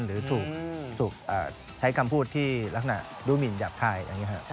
หรือถูกใช้คำพูดที่รักนาลุมิหยับไพ่